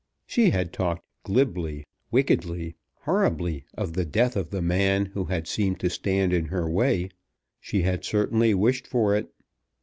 She had talked glibly, wickedly, horribly of the death of the man who had seemed to stand in her way. She had certainly wished for it.